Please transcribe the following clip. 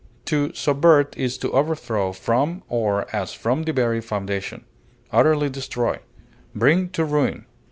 To subvert is to overthrow from or as from the very foundation; utterly destroy; bring to ruin.